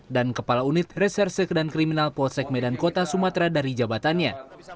dan kepala unit resersek dan kriminal polsek medan kota sumatera dari jabatannya